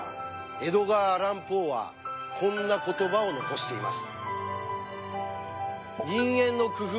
エドガー・アラン・ポーはこんな言葉を残しています。